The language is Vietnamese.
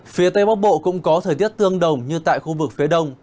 phía tây bắc bộ cũng có thời tiết tương đồng như tại khu vực phía đông